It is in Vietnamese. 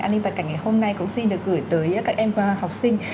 an ninh và cảnh ngày hôm nay cũng xin được gửi tới các em học sinh